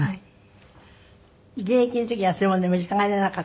現役の時はそういうもの召し上がれなかった？